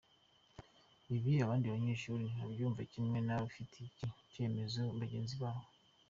Ibi abandi banyeshuri ntibabyumva kimwe n’abafatiye iki cyemezo bagenzi babo.